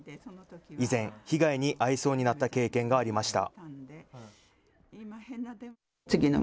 以前、被害に遭いそうになった経験がありました。